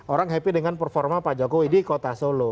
orang happy dengan performa pak jokowi di kota solo